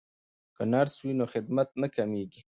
که نرس وي نو خدمت نه کمیږي.